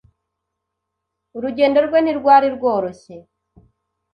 Urugendo rwe ntirwari rworoshye